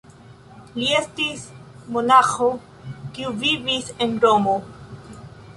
Li estis monaĥo kiu vivis en Romo.